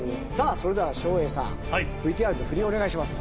それでは照英さんはいＶＴＲのふりお願いします